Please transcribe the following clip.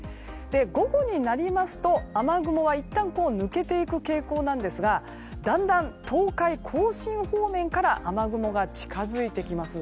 午後になりますと、雨雲はいったん抜けていく傾向ですがだんだん東海・甲信方面から雨雲が近づいてきます。